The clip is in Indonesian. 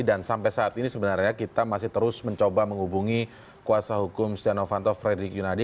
dan sampai saat ini sebenarnya kita masih terus mencoba menghubungi kuasa hukum stiano vanto fredy kiyunadi